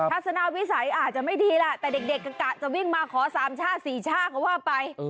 ทัศนาวิสัยอาจจะไม่ดีล่ะแต่เด็กกระกะจะวิ่งมาขอสามช่าสี่ช่าเขาว่าไป